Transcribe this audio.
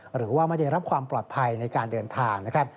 หรือว่าไม่ได้รับความปลอดภัยในการเดินทางนะครับ